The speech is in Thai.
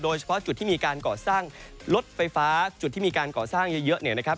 โดยเฉพาะจุดที่มีการก่อสร้างรถไฟฟ้าจุดที่มีการก่อสร้างเยอะเนี่ยนะครับ